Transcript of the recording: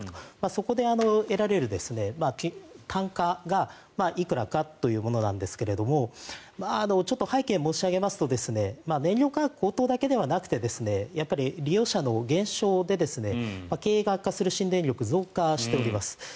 そこで得られる単価がいくらかというものなんですがちょっと背景を申し上げますと燃料価格高騰だけではなくやっぱり、利用者の減少で経営が悪化する新電力が増加しております。